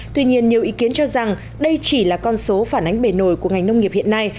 tuy nhiên nhiều ý kiến cho rằng đây chỉ là con số phản ánh bề nổi của ngành nông nghiệp hiện nay